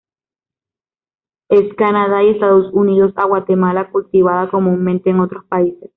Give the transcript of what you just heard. S. Canadá y Estados Unidos a Guatemala; cultivadas comúnmente en otros países.